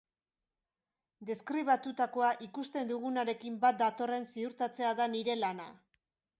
Deskribatutakoa ikusten dugunarekin bat datorren ziurtatzea da nire lana.